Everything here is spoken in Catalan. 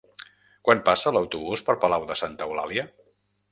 Quan passa l'autobús per Palau de Santa Eulàlia?